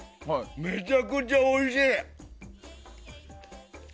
めちゃくちゃおいしい。